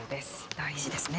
大事ですね。